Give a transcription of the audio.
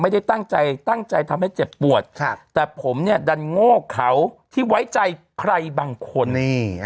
ไม่ได้ตั้งใจตั้งใจทำให้เจ็บปวดแต่ผมเนี่ยดันโง่เขาที่ไว้ใจใครบางคน